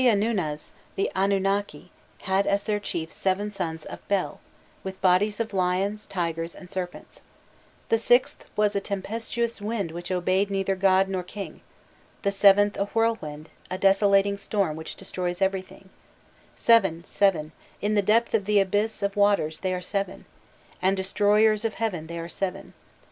The earthly Anunnas, the Anunnaki, had as their chiefs seven sons of Bel, with bodies of lions, tigers, and serpents: "the sixth was a tempestuous wind which obeyed neither god nor king, the seventh, a whirlwind, a desolating storm which destroys everything," "Seven, seven, in the depth of the abyss of waters they are seven, and destroyers of heaven they are seven.